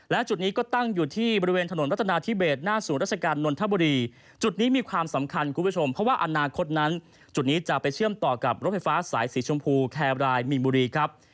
และจุดนี้ก็ตั้งอยู่ที่บริเวณถนนรัฐนาธิเบสหน้าศูนย์ราชการนนทบุรีจุดนี้มีความสำคัญคุณผู้ชมเพราะว่าอนาคตนั้นจุดนี้จะไปเชื่อมต่อกับรถไฟฟ้าสายสีชมพูแคบรายมีนบุรีครับ